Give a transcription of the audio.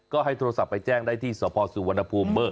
ก็ให้โทรศัพท์ไปแจ้งได้ที่สศสุวรรณภูมิเบอร์๐๔๓๕๘๑๖๓๕